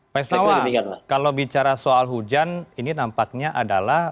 pak estawa kalau bicara soal hujan ini nampaknya adalah